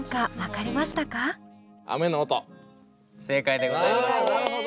正解でございます。